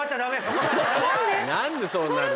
何でそうなるの？